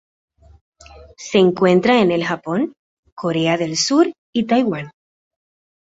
Se encuentra en el Japón, Corea del Sur y Taiwán.